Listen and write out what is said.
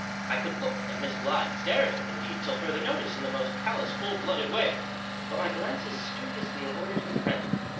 I could look at Miss Blyth ; stare at her, indeed, till further notice, in the most callous, cold blooded way. But my glances studiously avoided her friend.